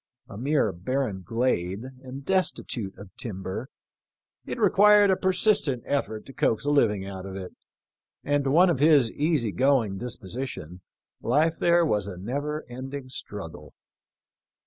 A mere barren glade, and destitute of timber, it required a persistent effort to coax a living out of it ; and to one of his easy going disposition, life there was a never ending struggle.